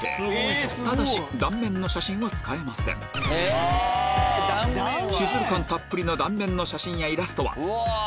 ただし断面の写真は使えません滴感たっぷりの断面の写真やイラストは１００％